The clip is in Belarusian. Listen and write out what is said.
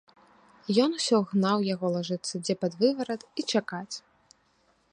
Ён усё гнаў яго лажыцца дзе пад выварат і чакаць.